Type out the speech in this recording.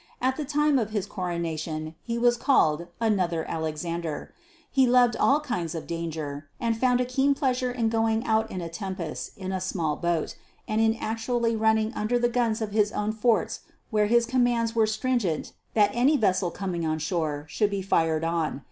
At the time of his coronation he was called 'Another Alexander.' He loved all kinds of danger, and found a keen pleasure in going out in a tempest in a small boat and in actually running under the guns of his own forts where his commands were stringent that any vessel coming in shore should be fired on.